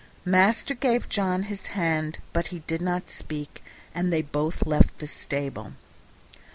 Master gave John his hand, but he did not speak, and they both left the stable.